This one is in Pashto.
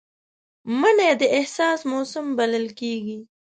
مني د احساس موسم بلل کېږي